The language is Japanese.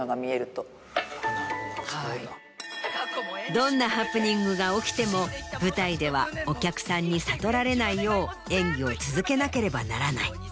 どんなハプニングが起きても舞台ではお客さんに悟られないよう演技を続けなければならない。